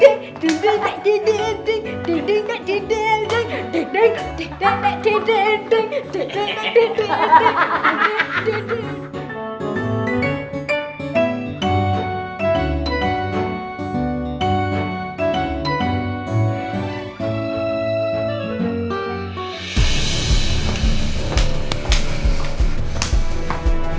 ding ding ding ding ding ding ding ding ding ding